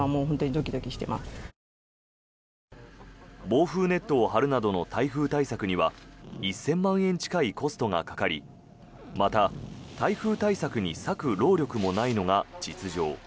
防風ネットを張るなどの台風対策には１０００万円近いコストがかかりまた台風対策に割く労力もないのが実情。